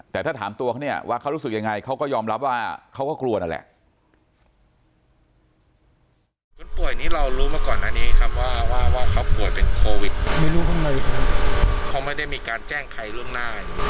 แต่ถ้าถามตัวเขาเนี่ยว่าเขารู้สึกยังไงเขาก็ยอมรับว่าเขาก็กลัวนั่นแหละ